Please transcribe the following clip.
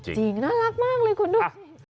จริงน่ารักมากเลยคุณดู